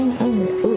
うん。